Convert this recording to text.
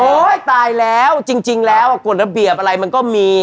ตายแล้วจริงแล้วกฎระเบียบอะไรมันก็มี